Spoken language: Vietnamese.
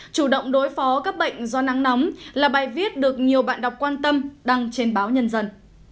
chủ động đối phó các bệnh do nắng nóng là bài viết được nhiều bạn đọc quan tâm đăng trên báo nhân dân